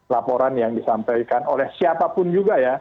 laporan yang disampaikan oleh siapapun juga ya